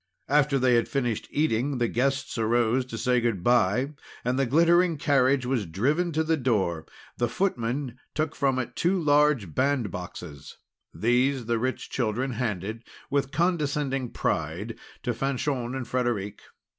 After they had finished eating, the guests arose to say good bye, and the glittering carriage was driven to the door. The footman took from it two large bandboxes. These, the rich children handed with condescending pride, to Fanchon and Frederic.